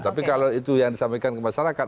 tapi kalau itu yang disampaikan ke masyarakat